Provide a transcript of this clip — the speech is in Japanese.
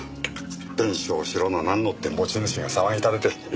弁償しろのなんのって持ち主が騒ぎ立てて。